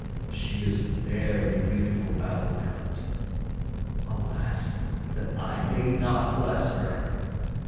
She is very beautiful, Babbulkund; alas that I may not bless her.